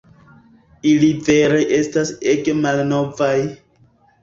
Ili vere estas ege malnovaj